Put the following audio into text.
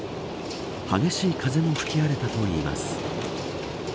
激しい風も吹き荒れたといいます。